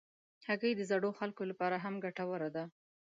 هګۍ د زړو خلکو لپاره هم ګټوره ده.